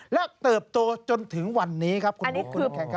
และเติบโตจนถึงวันนี้ครับคุณบุ๊คคุณน้ำแข็งครับ